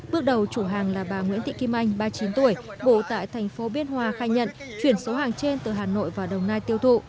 bước đầu chủ hàng là bà nguyễn thị kim anh ba mươi chín tuổi bộ tại thành phố biên hòa khai nhận chuyển số hàng trên từ hà nội vào đồng nai tiêu thụ